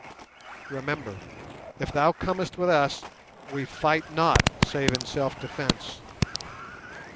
Remember, if thou comest with us, we fight not save in self defence.